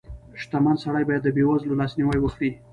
• شتمن سړی باید د بېوزلو لاسنیوی وکړي.